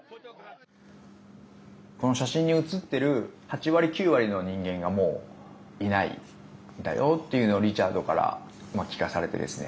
この写真に写ってる８割、９割の人間がもう、いないんだよというのをリチャードから聞かされてですね。